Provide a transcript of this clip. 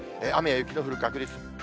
雨や雪の降る確率。